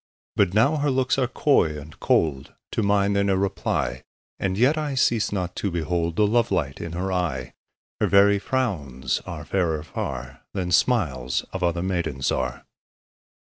But now her looks are coy and cold, To mine they ne'er reply, And yet I cease not to behold The love light in her eye: 10 Her very frowns are fairer far Than smiles of other maidens are.